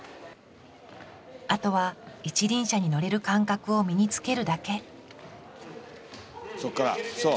あとは一輪車に乗れる感覚を身につけるだけそっからそう！